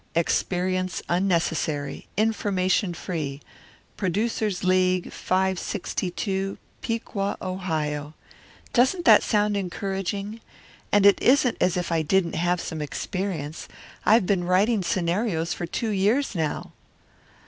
Experience unnecessary. Information free. Producers' League 562, Piqua, Ohio.' Doesn't that sound encouraging? And it isn't as if I didn't have some experience. I've been writing scenarios for two years now."